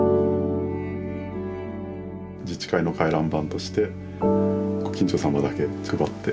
自治会の回覧板としてご近所様だけ配って。